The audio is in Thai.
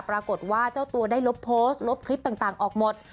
ปรากฏว่าเจ้าตัวได้ลบโพสต์ลบคลิปต่างออกหมด